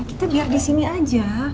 kita biar disini aja